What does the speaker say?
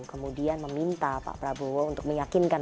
kemudian meminta pak prabowo untuk meyakinkan